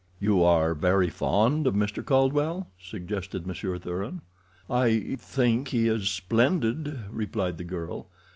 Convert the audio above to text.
"You are very fond of Mr. Caldwell?" suggested Monsieur Thuran. "I think he is splendid," replied the girl.